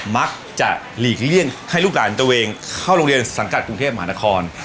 มักจะหลีกเลี่ยงให้ลูกหลานตัวเองเข้าโรงเรียนสังกัดกรุงเทพมหานคร